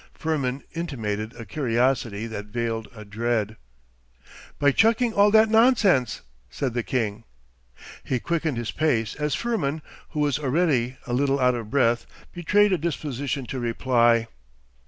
Firmin intimated a curiosity that veiled a dread. 'By chucking all that nonsense,' said the king. He quickened his pace as Firmin, who was already a little out of breath, betrayed a disposition to reply.